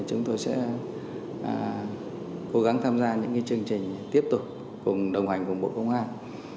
chúng tôi sẽ cố gắng tham gia những chương trình tiếp tục cùng đồng hành cùng bộ công an